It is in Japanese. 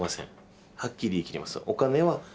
はっきり言い切ります。